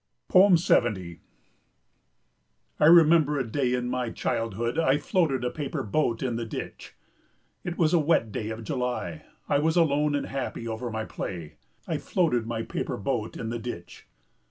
70 I remember a day in my childhood I floated a paper boat in the ditch. It was a wet day of July; I was alone and happy over my play. I floated my paper boat in the ditch.